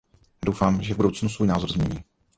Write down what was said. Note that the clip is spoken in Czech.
Doufám, že v budoucnu svůj názor změní.